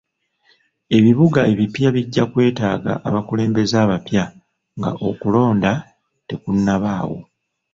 Ebibuga ebipya bijja kwetaaga abakulembeze abapya nga okulonda tekunnabaawo .